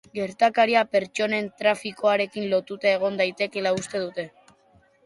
Gertakaria pertsonen trafikoarekin lotuta egon daitekeela uste dute.